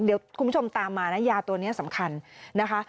เดี๋ยวคุณผู้ชมตามมานะยาตัวนี้สำคัญนะคะ